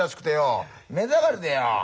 目障りでよ。